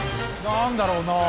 何だろうなあ。